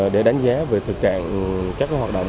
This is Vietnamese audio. để đánh giá về thực trạng các hoạt động